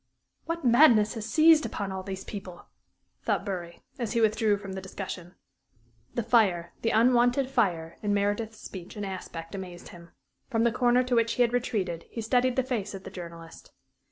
"What madness has seized upon all these people?" thought Bury, as he withdrew from the discussion. The fire, the unwonted fire, in Meredith's speech and aspect, amazed him. From the corner to which he had retreated he studied the face of the journalist.